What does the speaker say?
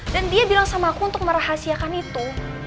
dan dia bilang sama aku untuk merahasiakan itu